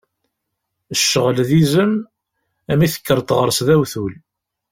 Ccɣel d izem, mi tekkreḍ ɣer-s d awtul.